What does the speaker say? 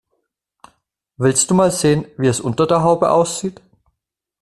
Willst du mal sehen, wie es unter der Haube aussieht?